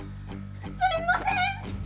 すみません！